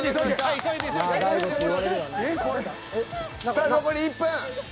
さあ残り１分。